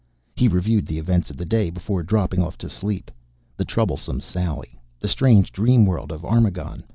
He reviewed the events of the day before dropping off to sleep. The troublesome Sally. The strange dream world of Armagon.